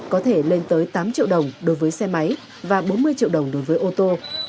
có thể lên tới tám triệu đồng đối với xe máy và bốn mươi triệu đồng đối với ô tô